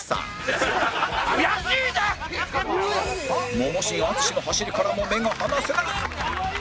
モモ神淳の走りからも目が離せない